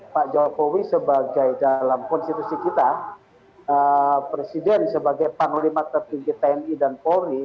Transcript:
pak jokowi sebagai dalam konstitusi kita presiden sebagai panglima tertinggi tni dan polri